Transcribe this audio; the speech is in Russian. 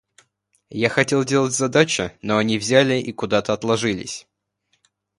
Я хотел делать задачи, но они взяли и куда-то отложились.